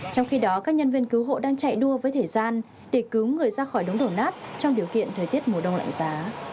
trong khi đó các nhân viên cứu hộ đang chạy đua với thời gian để cứu người ra khỏi đống đổ nát trong điều kiện thời tiết mùa đông lạnh giá